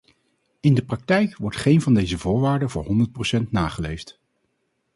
In de praktijk wordt geen van deze voorwaarden voor honderd procent nageleefd.